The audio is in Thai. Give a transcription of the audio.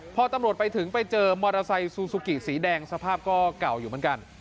พอตำรวจไปถึงไปเจอมอเตอร์ไซค์ซูซูกิสีแดงสภาพก็เก่าอยู่เหมือนกัน